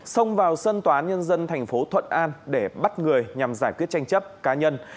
xông vào sân tòa nhân dân thành phố thuận an để bắt người nhằm giải quyết tranh chấp cá nhân